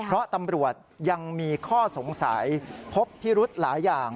เพราะตำรวจยังมีข้อสงสัยพบพิรุธหลายอย่าง